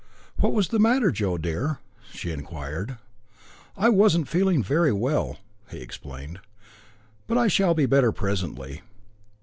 "What was the matter, Joe dear?" she inquired. "I wasn't feeling very well," he explained. "But I shall be better presently."